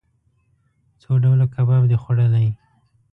څو ډوله کباب د خوړلئ؟